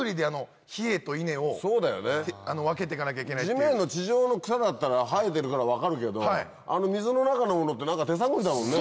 地面の地上の草だったら生えてるから分かるけど水の中のものって手探りだもんね。